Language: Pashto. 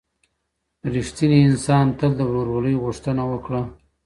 رښتيني انسان تل د ورورولۍ غوښتنه وکړه.